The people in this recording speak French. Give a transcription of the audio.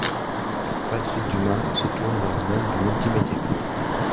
Patrick Dumas se tourne vers le monde du multimédia.